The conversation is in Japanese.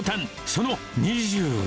その２５。